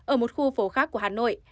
ở một khu phố khác của hà nội